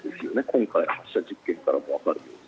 今回の発射実験からもわかるように。